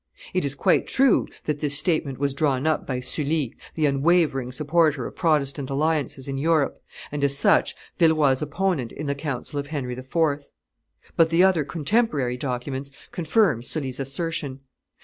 It is quite true that this statement was drawn up by Sully, the unwavering supporter of Protestant alliances in Europe, and, as such, Villeroi's opponent in the council of Henry IV.; but the other contemporary documents confirm Sully's assertion.